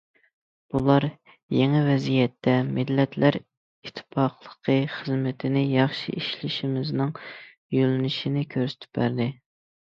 بۇلار، يېڭى ۋەزىيەتتە مىللەتلەر ئىتتىپاقلىقى خىزمىتىنى ياخشى ئىشلىشىمىزنىڭ يۆنىلىشىنى كۆرسىتىپ بەردى.